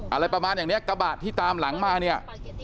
อะไรประมาณอย่างเนี้ยกระบะที่ตามหลังมาเนี่ย